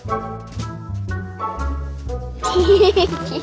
aku kan dari masa depan jadi aku tau semuanya